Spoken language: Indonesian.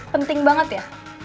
penting banget ya